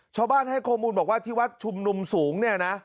ชาวบ้านให้ข้อมูลบอกว่าที่วัดชุมนุมสูงเนี่ยนะ